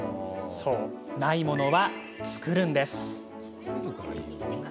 そう、ないものは作るんです。